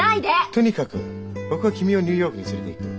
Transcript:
とにかく僕は君をニューヨークに連れていく。